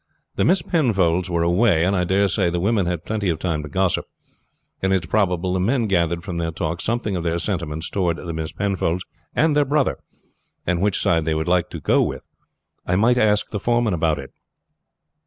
The Miss Penfolds were away, and I dare say the women had plenty of time to gossip; and it is probable the men gathered from their talk something of their sentiments toward the Miss Penfolds and their brother, and which side they would be likely to go with. I might ask the foreman about it."